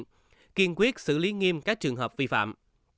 gia đình tổ chức phải ký cam kết thực hiện nghiêm các trường hợp vi phạm